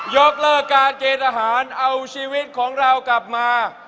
ยกเลิกการเกณฑ์อาหารเอาชีวิตของเรากลับมา